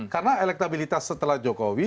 karena elektabilitas setelah jokowi